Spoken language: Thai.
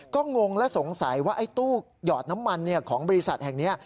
ก็งงและสงสัยว่าไอ้ตู้หยอดน้ำมันของบริษัทแห่งนี้